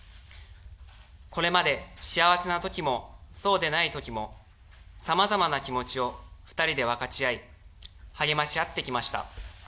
これまで、幸せな時もそうでない時もさまざまな気持ちを２人で分かち合い励まし合ってきました。